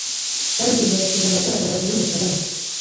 kandi bizashyirwa ahagaragara muri Mutarama